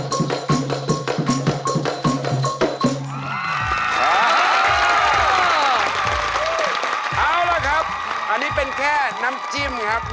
แต่วันนี้จะสวยงามและวดงามขนาดไหน